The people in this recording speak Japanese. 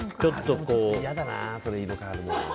嫌だな、色変えるの。